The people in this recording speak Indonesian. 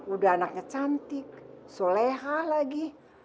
udah anaknya cantik soleha lagi